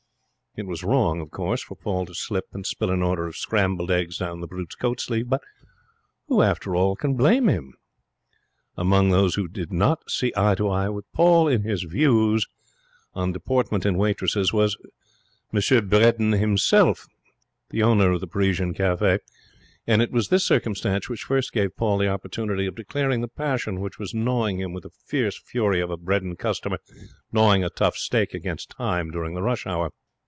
It was wrong, of course, for Paul to slip and spill an order of scrambled eggs down the brute's coat sleeve, but who can blame him? Among those who did not see eye to eye with Paul in his views on deportment in waitresses was M. Bredin himself, the owner of the Parisian Cafe; and it was this circumstance which first gave Paul the opportunity of declaring the passion which was gnawing him with the fierce fury of a Bredin customer gnawing a tough steak against time during the rush hour.